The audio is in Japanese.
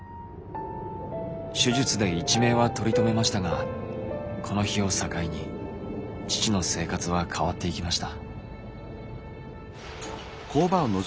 手術で一命は取り留めましたがこの日を境に父の生活は変わっていきました。